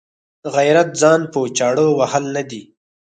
غیرت ځان په چاړه وهل نه دي.